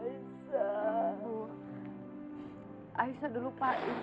ibu isa udah lupain semuanya